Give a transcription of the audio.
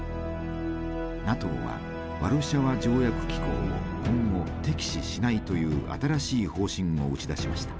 ＮＡＴＯはワルシャワ条約機構を今後敵視しないという新しい方針を打ち出しました。